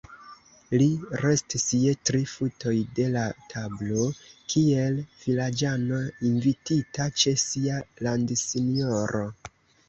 Li restis je tri futoj de la tablo, kiel vilaĝano invitita ĉe sia landsinjoro.